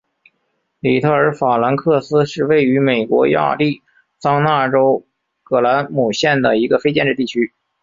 里特尔法兰克斯是位于美国亚利桑那州葛兰姆县的一个非建制地区。